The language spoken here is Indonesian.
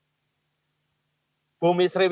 seheboh mantepnya pak menteri lah